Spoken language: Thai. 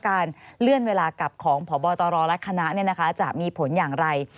การเลื่อนเวลากลับของพบตรและคณะจะมีผลอย่างไร